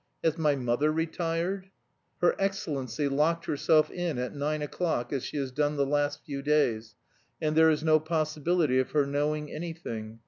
"Has my mother retired?" "Her excellency locked herself in at nine o'clock as she has done the last few days, and there is no possibility of her knowing anything.